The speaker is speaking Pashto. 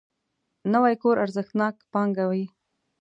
نوی کور ارزښتناک پانګه وي